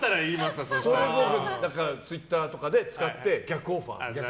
ツイッターとかで使って逆オファー。